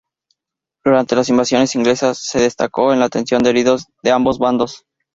Durante las Invasiones Inglesas se destacó en la atención de heridos de ambos bandos.